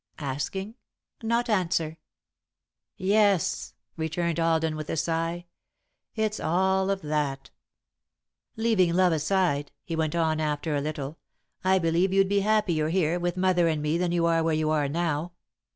Asking, not answer." "Yes," returned Alden, with a sigh, "it's all of that. "Leaving love aside," he went on, after a little, "I believe you'd be happier here, with mother and me, than you are where you are now.